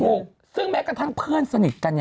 ถูกซึ่งแม้กระทั่งเพื่อนสนิทกัน